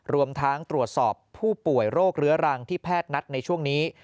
รวมทั้งตรวจสอบผู้ป่วยโรคเรื้อรังที่แพทย์นัดในช่วงนี้